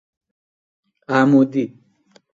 عمودی